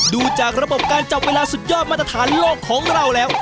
ดูจากระบบการจับเวลาสุดยอดมาตรฐานโลกของเราแล้ว